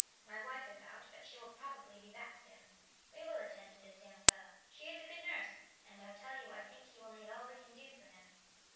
My wife is out, but she will probably be back soon. We will attend to this young fellow. She is a good nurse, and I tell you I think he will need all we can do for him."